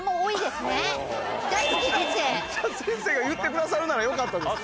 先生が言ってくださるならよかったです。